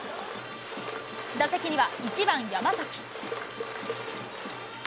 打席には、１番山崎。